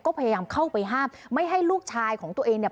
ก็พยายามเข้าไปห้ามไม่ให้ลูกชายของตัวเองเนี่ย